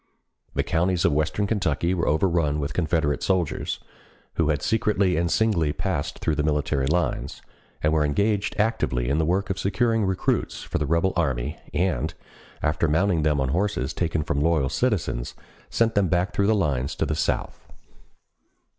The counties of western Kentucky were overrun with Confederate soldiers, who had secretly and singly passed through the military lines, and were engaged actively in the work of securing recruits for the rebel army, and, after mounting them on horses taken from loyal citizens, sent them back through the lines to the South.